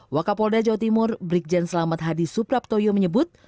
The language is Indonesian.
wakapolda jawa timur brigjen selamat hadi supraptoyo menyebut